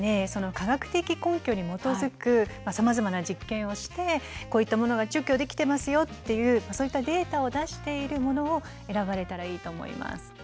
科学的根拠に基づくさまざまな実験をしてこういったものが除去できてますよっていうそういったデータを出しているものを選ばれたらいいと思います。